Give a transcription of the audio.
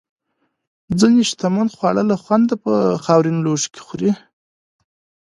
ځینې شتمن خواړه له خونده په خاورین لوښو کې خوري.